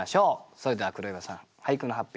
それでは黒岩さん俳句の発表